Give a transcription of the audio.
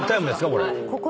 これ。